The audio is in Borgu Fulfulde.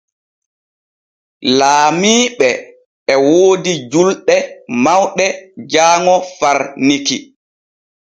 Laamiiɓe e woodi julɗe mawɗe jaaŋo far Niki.